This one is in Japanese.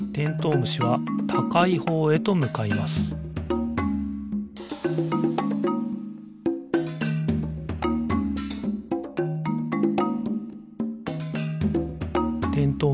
むしはたかいほうへとむかいますてんとう